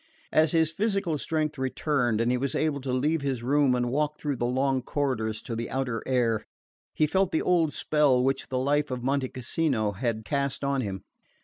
As his physical strength returned, and he was able to leave his room and walk through the long corridors to the outer air, he felt the old spell which the life of Monte Cassino had cast on him.